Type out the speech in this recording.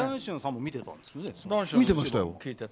見てましたよ。